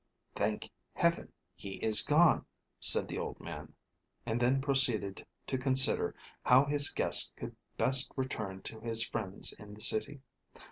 "Thank Heaven, he is gone," said the old man, and he then proceeded to consider how his guest could best return to his friends in the city.